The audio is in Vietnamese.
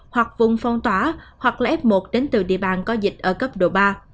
hoặc vùng phong tỏa hoặc là f một đến từ địa bàn có dịch ở cấp độ ba